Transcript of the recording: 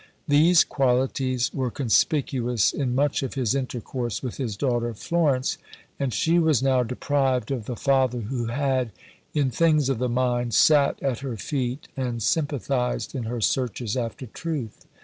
These qualities were conspicuous in much of his intercourse with his daughter Florence, and she was now deprived of the father who had, in things of the mind, sat at her feet and sympathized in her searches after truth.